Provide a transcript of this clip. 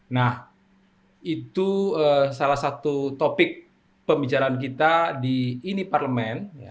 nah itu salah satu topik pembicaraan kita di ini parlemen